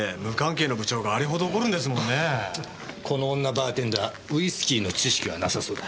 バーテンダーウイスキーの知識はなさそうだ。